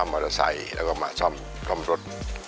มอเตอร์ไซค์แล้วก็มาซ่อมรถ